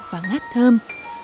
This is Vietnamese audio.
và ngát thơm